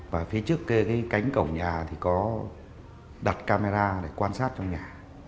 và phía trước cái cánh cổng nhà thì có đặt camera để quan sát trong nhà